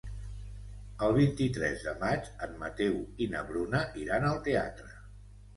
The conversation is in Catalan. El vint-i-tres de maig en Mateu i na Bruna iran al teatre.